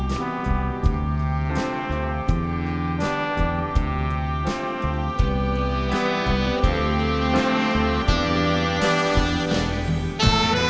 ขอตราพระเกี่ยวยังยืนยมที่สิทธิ์ประสงค์เป็นขุมชัย